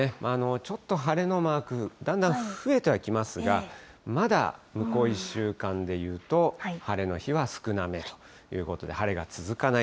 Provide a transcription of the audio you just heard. ちょっと晴れのマーク、だんだん増えてはきますが、まだ向こう１週間で言うと晴れの日は少なめということで、晴れが続かない。